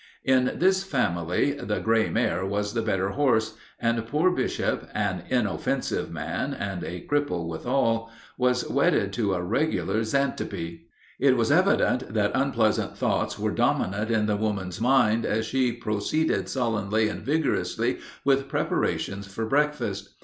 In this family "the gray mare was the better horse," and poor Bishop, an inoffensive man, and a cripple withal, was wedded to a regular Xantippe. It was evident that unpleasant thoughts were dominant in the woman's mind as she proceeded sullenly and vigorously with preparations for breakfast.